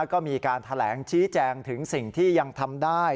ก็มีการแบ่งการทาแหลงชี้แจงถึงสิ่งที่ยังทำได้